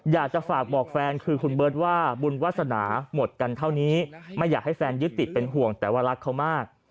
อยากจะฝากบอกแฟนคือคุณเบิร์ตว่าบุญวาสนาหมดกันเท่านี้ไม่อยากให้แฟนยึดติดเป็นห่วงแต่ว่ารักเขามาก